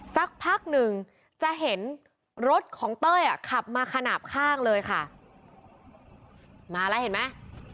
สักพักหนึ่งจะเห็นรถของเต้ยอ่ะขับมาขนาดข้างเลยค่ะมาแล้วเห็นไหม